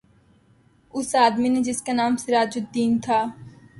اس آدمی نے جس کا نام سراج دین تھا